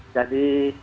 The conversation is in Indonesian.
jadi para uskupsi